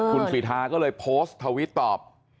คุณสิทาก็เลยโพสต์ทวิตตอบ